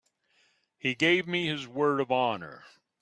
He gave me his word of honor.